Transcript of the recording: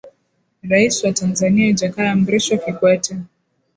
rais wa tanzania jakaya mrisho kikwete